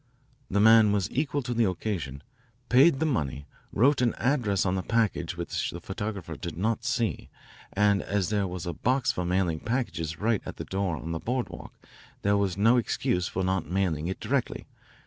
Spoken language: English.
The man was equal to the occasion, paid the money, wrote an address on the package which the photographer did not see, and as there was a box for mailing packages right at the door on the boardwalk there was no excuse for not mailing it directly.